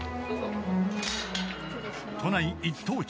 ［都内一等地。